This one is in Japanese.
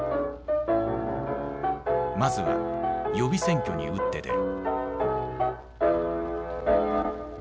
まずは予備選挙に打って出る。